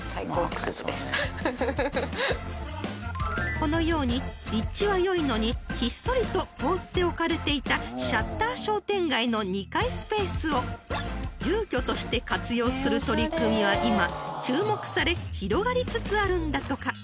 ［このように立地はよいのにひっそりと放っておかれていたシャッター商店街の２階スペースを住居として活用する取り組みは今注目され広がりつつあるんだとか］